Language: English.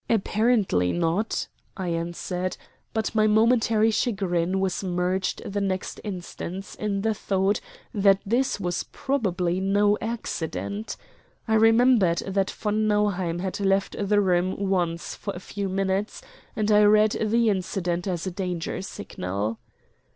"Apparently not," I answered; but my momentary chagrin was merged the next instant in the thought that this was probably no accident. I remembered that von Nauheim had left the room once for a few minutes, and I read the incident as a danger signal.